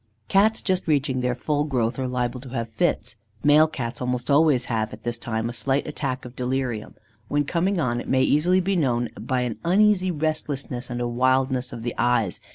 Cats just reaching their full growth are liable to have fits. Male cats almost always have, at this time, a slight attack of delirium. When coming on, it may easily be known by an uneasy restlessness and a wildness of the eyes.